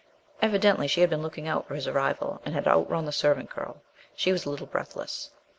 Evidently she had been looking out for his arrival, and had outrun the servant girl. She was a little breathless.